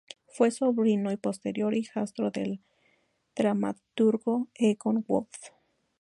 Fue sobrino y posterior hijastro del dramaturgo Egon Wolff.